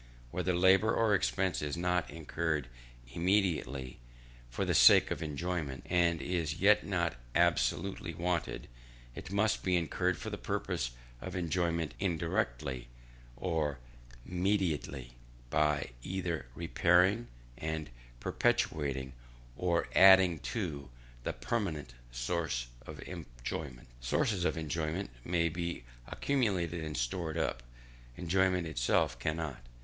Whenever labour or expense is not incurred immediately for the sake of enjoyment, and is yet not absolutely wasted, it must be incurred for the purpose of enjoyment indirectly or mediately; by either repairing and perpetuating, or adding, to the permanent sources of enjoyment. Sources of enjoyment may be accumulated and stored up; enjoyment itself cannot.